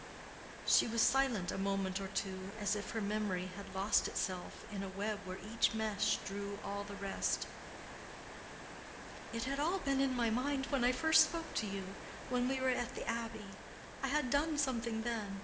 She was silent a moment or two, as if her memory had lost itself in a web where each mesh drew all the rest. "It had all been in my mind when I first spoke to you—when we were at the Abbey. I had done something then.